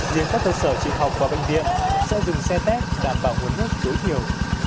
riêng các thơ sở trị học và bệnh viện sẽ dùng xe tét đảm bảo nguồn nước đối chiều